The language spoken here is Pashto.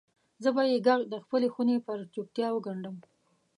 زه به یې ږغ دخپلې خونې پر چوپتیا وګنډم